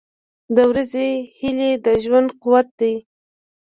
• د ورځې هیلې د ژوند قوت دی.